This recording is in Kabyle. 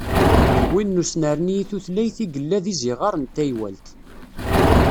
Win n usnerni i tutlayt i yella d iẓiɣer n teywalt.